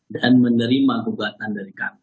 dan menerima kekuatan dari kami